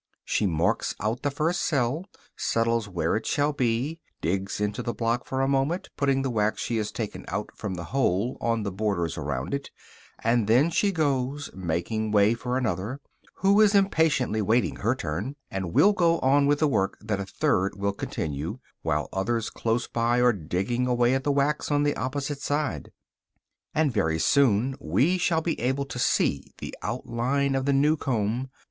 She marks out the first cell, settles where it shall be; digs into the block for a moment, putting the wax she has taken out from the hole on the borders around it; and then she goes, making way for another, who is impatiently waiting her turn, and will go on with the work that a third will continue, while others close by are digging away at the wax on the opposite side. And very soon we shall be able to see the outline of the new comb.